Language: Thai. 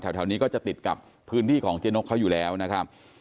แถวนี้ก็จะติดกับพื้นที่ของเจ๊นกเขาอยู่แล้วนะครับ